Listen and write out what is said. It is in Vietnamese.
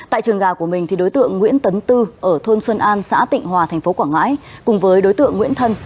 tại trường gà của mình đối tượng nguyễn tấn tư ở thôn xuân an xã tịnh hòa tp quảng ngãi cùng với đối tượng nguyễn thân